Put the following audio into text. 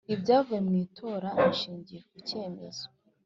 Ibyavuye mu itora ishingiye ku cyemezo